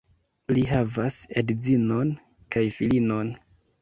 Li havas edzinon kaj filinon.